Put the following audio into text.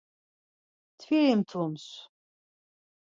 Mtviri mtups.